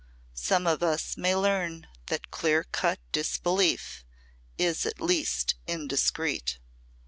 "Some of us may learn that clear cut disbelief is at least indiscreet."